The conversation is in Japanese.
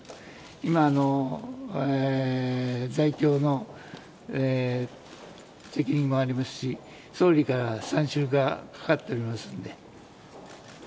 今、在京の責任もありますし総理から、参集がかかっておりますので。